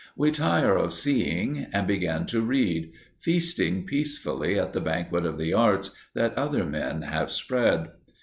We tire of seeing and begin to read, feasting peacefully at the banquet of the arts that other men have spread.